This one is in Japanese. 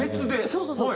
そうそうそう。